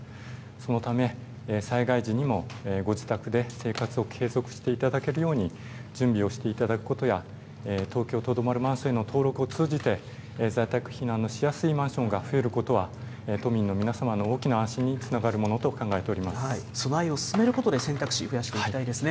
そのため、災害時にもご自宅で生活を継続していただけるように準備をしていただくことや、東京とどまるマンションへの登録を通じて、在宅避難のしやすいマンションが増えることは、都民の皆様の大きな安心につなが備えを進めることで、選択肢増やしていきたいですね。